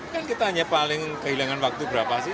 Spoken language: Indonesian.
kan kita hanya paling kehilangan waktu berapa sih